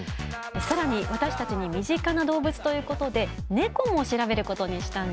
さらに私たちに身近な動物ということでネコも調べることにしたんです。